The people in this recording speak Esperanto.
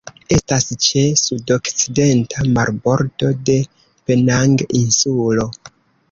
Estas ĉe sudokcidenta marbordo de Penang-insulo.